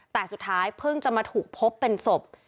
แต่สุดท้ายเพิ่งจะมาถูกพบเป็นศพ